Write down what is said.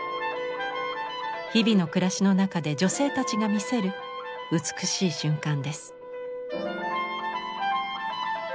日々の暮らしの中で女性たちが見せる美しい瞬間です。